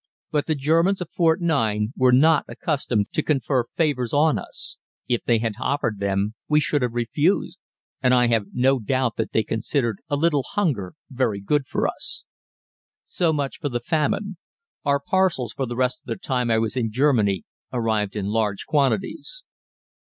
But the Germans of Fort 9 were not accustomed to confer favors on us if they had offered them we should have refused and I have no doubt that they considered a little hunger very good for us. So much for the famine; our parcels for the rest of the time I was in Germany arrived in large quantities.